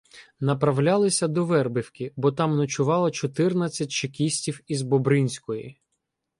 Направлялися до Вербівки, бо там ночувало чотирнадцять чекістів із Бобринської.